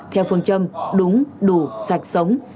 theo phương châm đúng đủ sạch sống